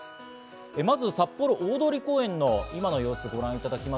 まず札幌・大通公園の今の様子をご覧いただきます。